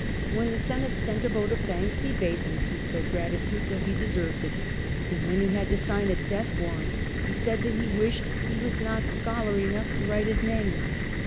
When the Senate sent a vote of thanks he bade them keep their gratitude till he de served it ; and when he had to sign a death warrant, he said that he wished he was not scholar enough to write his name.